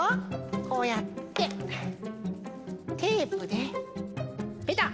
こうやってテープでペタッ。